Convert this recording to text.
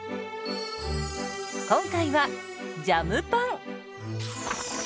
今回はジャムパン。